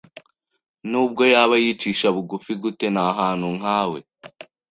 Nubwo yaba yicisha bugufi gute, ntahantu nkawe.